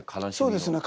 そうですね